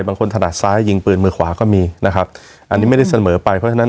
ขนาดซ้ายยิงปืนมือขวาก็มีนะครับอันนี้ไม่ได้เสมอไปเพราะฉะนั้น